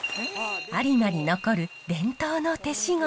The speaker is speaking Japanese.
有馬に残る伝統の手仕事。